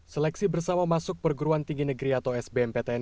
seleksi bersama masuk perguruan tinggi negeri atau sbmptn